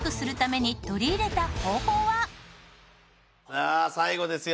さあ最後ですよ